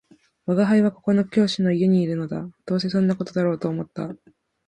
「吾輩はここの教師の家にいるのだ」「どうせそんな事だろうと思った